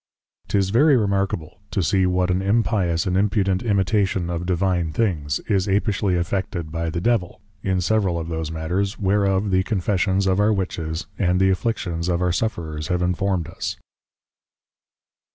'Tis very Remarkable to see what an Impious and Impudent imitation of Divine Things, is Apishly affected by the Devil, in several of those matters, whereof the Confessions of our Witches, and the Afflictions of our Sufferers have informed us.